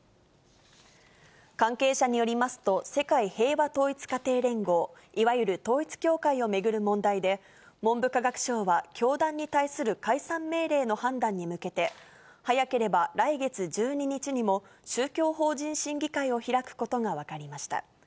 関係者によりますと、世界平和統一家庭連合、いわゆる統一教会を巡る問題で、文部科学省は教団に対する解散命令の判断に向けて、早ければ来月１２日にも宗教法人審議会を開くことが分かりました。